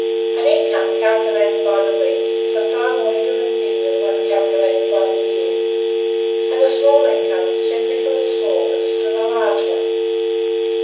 An income calculated by the week is a far more human thing than one calculated by the year, and a small income, simply from its smallness, than a large one.